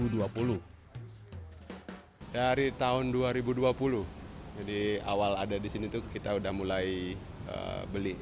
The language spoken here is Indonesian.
dari tahun dua ribu dua puluh jadi awal ada di sini kita menggunakan sepeda elektrik